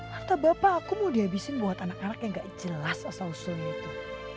harta bapak aku mau dihabisin buat anak anak yang gak jelas asal usul itu